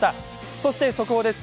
そして速報です。